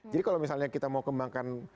jadi kalau misalnya kita mau kembangkan